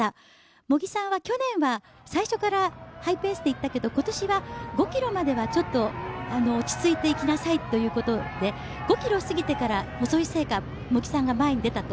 茂木さんは去年は最初からハイペースで行ったけど今年は５ｋｍまでは落ち着いて行きなさいということで５ｋｍ過ぎてから遅いせいか、茂木さんが前に出たと。